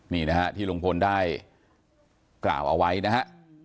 นี่นะฮะที่ลุงพลได้กล่าวเอาไว้นะฮะ